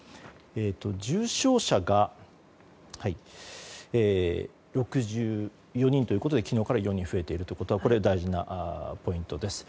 重症者が６４人ということで昨日から４人増えていることはこれは大事なポイントです。